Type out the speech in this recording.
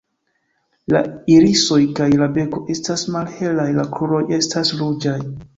La irisoj kaj la beko estas malhelaj; la kruroj estas ruĝaj.